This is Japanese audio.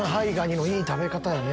蟹のいい食べ方やね。